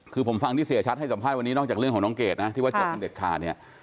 คือผมฟังที่เสียชัดให้สัมภาษณ์วันนี้นอกจากเรื่องของน้องเกดนะที่ว่าจบกันเด็ดขาดเนี่ย